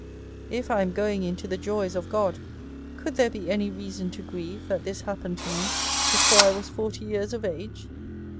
" If I am going into the joys of God, could there be any reason to grieve that this happened to me be fore 1 was forty years of age?